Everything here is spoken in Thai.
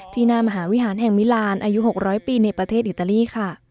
หน้ามหาวิหารแห่งมิลานอายุ๖๐๐ปีในประเทศอิตาลีค่ะ